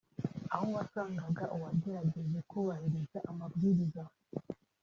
aho wasangaga uwagerageje kubahiriza amabwiriza